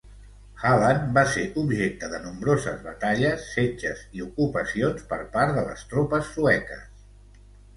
Halland va ser objecte de nombroses batalles, setges i ocupacions per part de les tropes sueques.